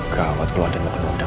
saya bikinin teman aja sebentar